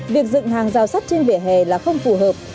việc dựng hàng rào sắt trên vỉa hè là không phù hợp